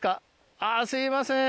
あっすいません。